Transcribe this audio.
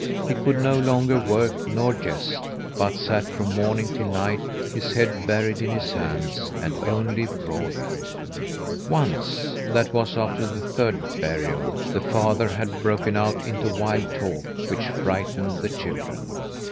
He could no longer work nor jest, but sat from morning till night, his head buried in his hands, and only brooded. Once that was after the third burial the father had broken out into wild talk, which frightened the children.